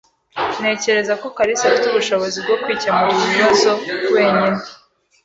Ntekereza ko kalisa afite ubushobozi bwo kwikemurira ibibazo wenyine.